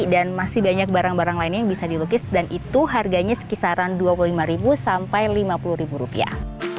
dan masih banyak barang barang lainnya yang bisa dilukis dan itu harganya sekisaran dua puluh lima sampai lima puluh rupiah